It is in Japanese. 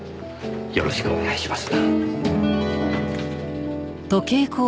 よろしくお願いします。